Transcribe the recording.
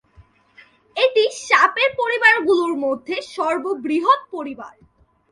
এটি সাপের পরিবারগুলোর মধ্যে সর্ববৃহৎ পরিবার।